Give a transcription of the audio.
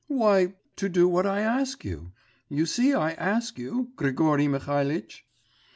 'Why ... to do what I ask you. You see I ask you, Grigory Mihalitch.